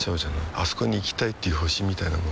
あそこに行きたいっていう星みたいなもんでさ